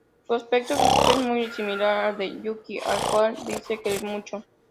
Su aspecto físico es muy similar al de Yuki, al cual dice querer mucho.